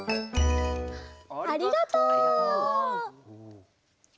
ありがとう！